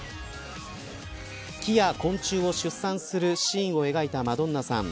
木や昆虫を出産するシーンを描いたマドンナさん。